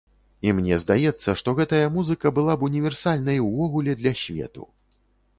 І мне здаецца, што гэтая музыка была б універсальнай увогуле для свету.